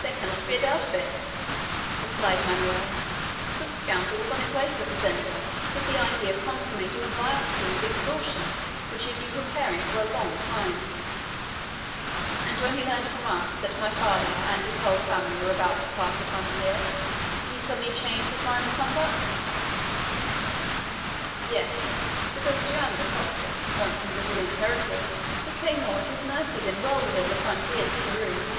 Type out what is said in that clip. "There cannot be a doubt of it," replied Manoel. "The scoundrel was on his way to the fazenda with the idea of consummating a vile scheme of extortion which he had been preparing for a long time." "And when he learned from us that my father and his whole family were about to pass the frontier, he suddenly changed his line of conduct?" "Yes. Because Joam Dacosta once in Brazilian territory became more at his mercy than while within the frontiers of Peru.